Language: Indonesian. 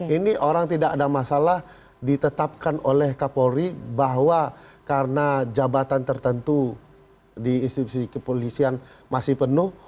ini orang tidak ada masalah ditetapkan oleh kapolri bahwa karena jabatan tertentu di institusi kepolisian masih penuh